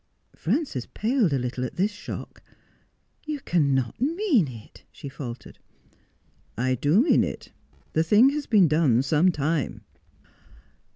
Frances paled a little at this shock. ' You cannot mean it,' she faltered. ' I do mean it. The thing has been done some time.'